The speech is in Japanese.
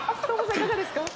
いかがですか？